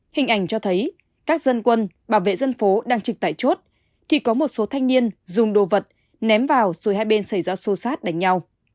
hình ảnh cho thấy các dân quân bảo vệ dân phố đang trực tại chốt thì có một số thanh niên dùng đồ vật ném vào rồi hai bên xảy ra xô xát đánh nhau